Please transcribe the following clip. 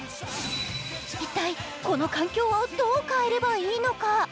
一体、この環境をどう変えればいいのか。